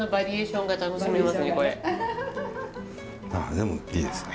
でもいいですね。